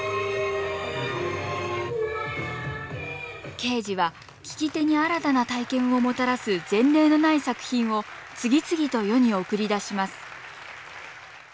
ケージは聴き手に新たな体験をもたらす前例のない作品を次々と世に送り出します